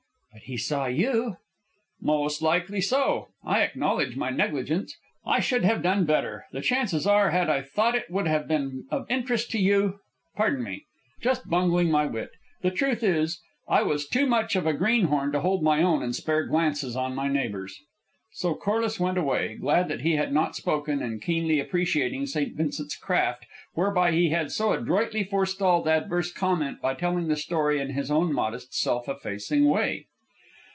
"But he saw you." "Most likely so. I acknowledge my negligence. I should have done better, the chances are, had I thought it would have been of interest to you pardon me. Just my bungling wit. The truth is, I was too much of a greenhorn to hold my own and spare glances on my neighbors." So Corliss went away, glad that he had not spoken, and keenly appreciating St. Vincent's craft whereby he had so adroitly forestalled adverse comment by telling the story in his own modest, self effacing way.